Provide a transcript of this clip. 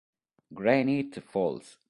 Granite Falls